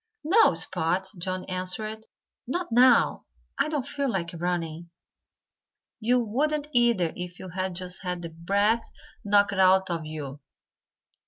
"No, Spot!" Johnnie answered. "Not now! I don't feel like running. You wouldn't, either, if you had just had the breath knocked out of you."